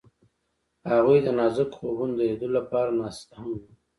هغوی د نازک خوبونو د لیدلو لپاره ناست هم وو.